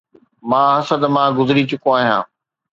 مان حسد مان گذري چڪو آهيان